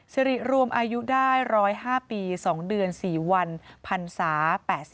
สิริรวมอายุได้๑๐๕ปี๒เดือน๔วันพันศา๘๐